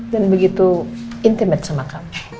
dan begitu intimate sama kamu